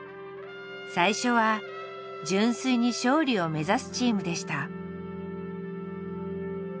最初は純粋に勝利を目指すチームでした。